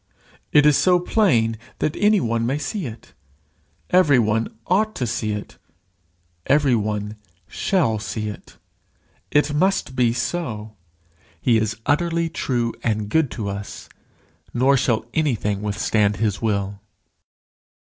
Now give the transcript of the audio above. It is so plain that any one may see it, every one ought to see it, every one shall see it. It must be so. He is utterly true and good to us, nor shall anything withstand his will.